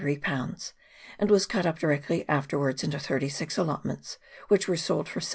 and was cut up directly afterwards into thirty six allotments, which were sold for 11.